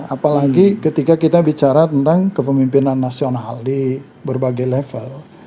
apalagi ketika kita bicara tentang kepemimpinan nasional di berbagai level